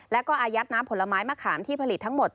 แล้วก็อายัดน้ำผลไม้มะขามที่ผลิตทั้งหมด